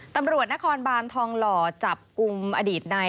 ตำรวจนครบานทองหล่อจับกลุ่มอดีตใน